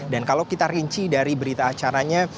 kalau kita rinci dari berita acaranya